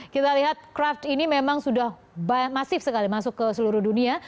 kita lihat craft ini memang sudah masif sekali masuk ke seluruh dunia